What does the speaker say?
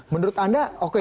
menurut anda oke